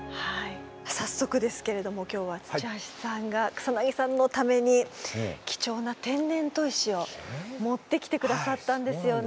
早速ですけれども今日は土橋さんが草さんのために貴重な天然砥石を持ってきて下さったんですよね。